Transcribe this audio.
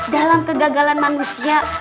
dalam kegagalan manusia